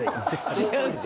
違うんですよ。